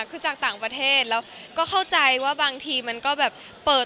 คือจากต่างประเทศแล้วก็เข้าใจว่าบางทีมันก็แบบเปิด